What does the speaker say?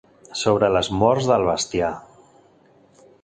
Sobre les morts del bestiar.